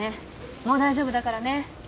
もう大丈夫だからね。